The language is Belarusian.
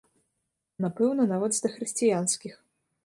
Напэўна, нават з дахрысціянскіх.